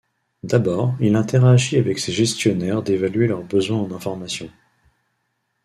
D'abord, il interagit avec ces gestionnaires d'évaluer leurs besoins en information.